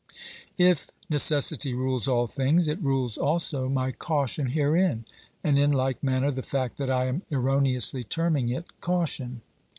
— If necessity rules all things, it rules also my caution herein, and, in like manner, the fact that I am erroneously terming it caution.